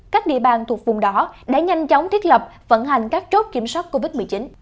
các địa bàn thuộc vùng đỏ đã nhanh chóng thiết lập vận hành các chốt kiểm soát covid một mươi chín